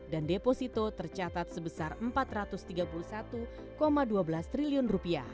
dan deposito tercatat sebesar rp empat ratus tiga puluh satu dua belas triliun